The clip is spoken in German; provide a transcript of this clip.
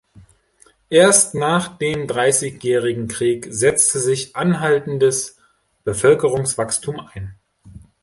Erst nach dem Dreißigjährigen Krieg setzte sich anhaltendes Bevölkerungswachstum ein.